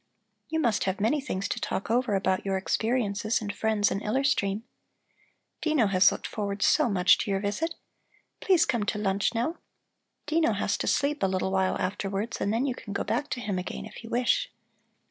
You must have many things to talk over about your experiences and friends in Iller Stream. Dino has looked forward so much to your visit. Please come to lunch now. Dino has to sleep a little while afterwards, and then you can go back to him again, if you wish."